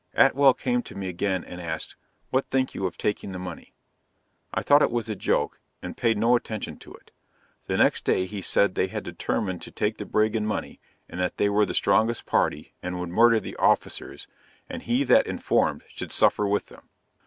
Atwell came to me again and asked "what think you of taking the money." I thought it was a joke, and paid no attention to it. The next day he said they had determined to take the brig and money, and that they were the strongest party, and would murder the officers, and he that informed should suffer with them.